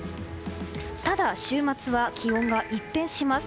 ただ、週末は気温が一変します。